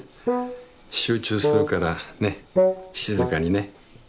集中するからねっ静かにね。